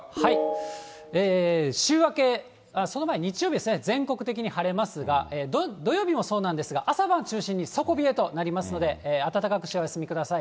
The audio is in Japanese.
週明け、その前に日曜日ですね、全国的に晴れますが、土曜日もそうなんですが、朝晩中心に底冷えとなりますので、暖かくしてお休みください。